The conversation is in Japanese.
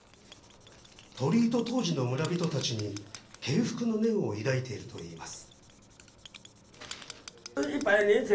鳥居と、当時の村人たちに敬服の念を抱いているといいます。